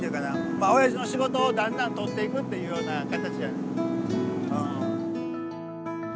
まあおやじの仕事をだんだん取っていくっていうような形。